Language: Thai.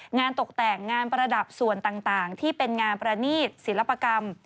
งานตกแต่งงานประดับส่วนต่างที่เป็นงานประณีตศิลปกรรม